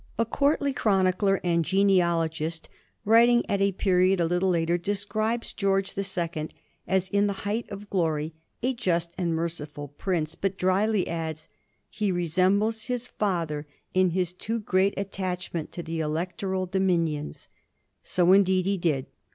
A courtly chronicler and genealogist, writing at a pe riod a little later, describes George the Second as in the height of glory a just and merciful prince, but dryly adds, '^ He resembles his father in his too great attachment to the electoral dominions." So indeed he did.